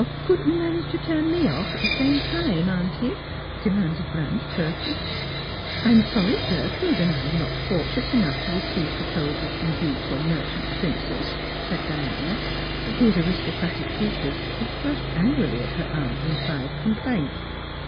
" Couldn't you manage to turn me off at the same time, auntie ?" demanded Blanche pertly. "I am sorry Gertrude and I were not fortunate enough to receive proposals from dukes or merchant princes," said Diana, whose aristocratic features had flushed angrily at her aunt's implied complaint.